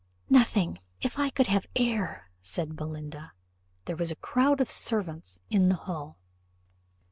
"Nothing, if I could have air," said Belinda. There was a crowd of servants in the hall.